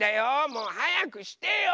もうはやくしてよ。